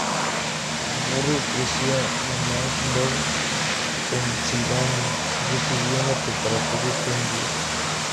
Burrell creció en Lansdowne, Pennsylvania y estudió en la preparatoria Penn Wood.